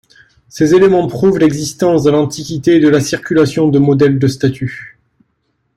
Ces éléments prouvent l'existence dans l'Antiquité de la circulation de modèles de statues.